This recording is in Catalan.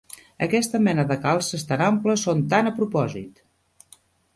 Aquesta mena de calces tan amples són tant a propòsit!